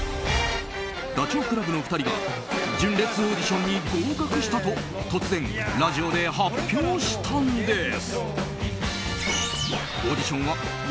ダチョウ倶楽部の２人が純烈オーディションに合格したと突然、ラジオで発表したんです。